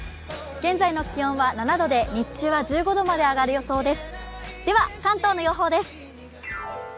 現在の気温は７度で日中は１５度まで上がる予想です。